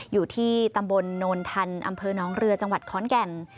อยู่ที่ตำบลโนนทันอำเภอน้องเรือจังหวัดขอนแก่น